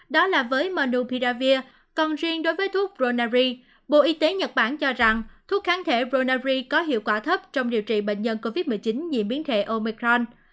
đó là với manupiravir còn riêng đối với thuốc ronari bộ y tế nhật bản cho rằng thuốc kháng thể roneri có hiệu quả thấp trong điều trị bệnh nhân covid một mươi chín nhiễm biến thể omicron